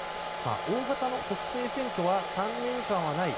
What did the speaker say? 大型の国政選挙は３年間はない。